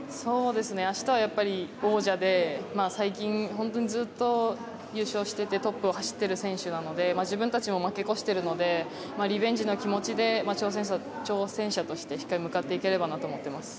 明日はやっぱり王者で最近ずっと優勝していてトップを走っている選手で自分たちも負け越しているのでリベンジの気持ちで挑戦者としてしっかり向かっていければと思います。